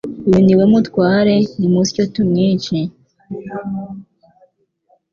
Uyu ni we mutware, nimutyo tumwice."